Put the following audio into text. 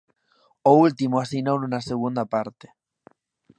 O último asinouno na segunda parte.